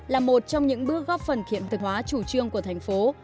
là một trong những bước góp phần kiện thực hóa chủ trương của thành phố